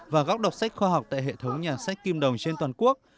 và góc đọc sách khoa học tại hệ thống nhà sách kim đồng trên toàn quốc